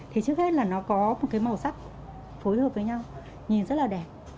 thì trước hết là nó có một cái màu sắc phối hợp với nhau nhìn rất là đẹp